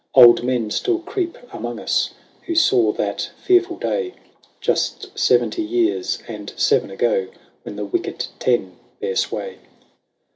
Old men still creep among us who saw that fearful day, Just seventy years and seven ago, when the wicked Ten bare sway.